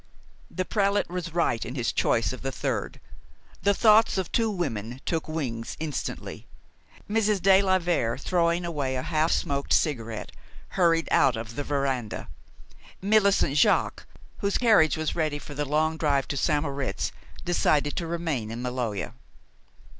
The prelate was right in his choice of the third. The thoughts of two women took wings instantly. Mrs. de la Vere, throwing away a half smoked cigarette, hurried out of the veranda. Millicent Jaques, whose carriage was ready for the long drive to St. Moritz, decided to remain in Maloja.